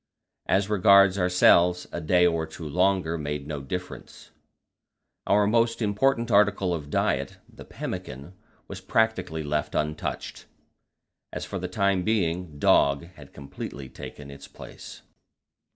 As regards ourselves, a day or two longer made no difference; our most important article of diet, the pemmican, was practically left untouched, as for the time being dog had completely taken its place.